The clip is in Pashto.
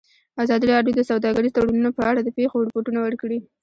ازادي راډیو د سوداګریز تړونونه په اړه د پېښو رپوټونه ورکړي.